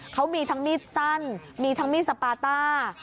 เขามีทั้งมีดสั้นมีทั้งมีดสปาต้า